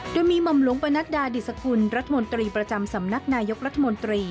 โดยมีหม่อมหลวงปนัดดาดิสกุลรัฐมนตรีประจำสำนักนายกรัฐมนตรี